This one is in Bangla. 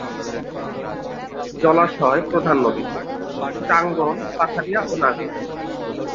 জলাশয় প্রধান নদী: টাংগণ, পাথারিয়া ও নাগর।